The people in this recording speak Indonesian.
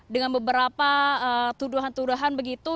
dengan beberapa tuduhan tuduhan begitu